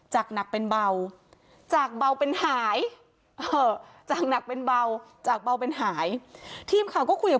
จากหนักเป็นเบาจากเบาเป็นหาย